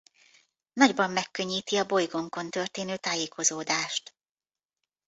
Nagyban megkönnyíti a bolygónkon történő tájékozódást.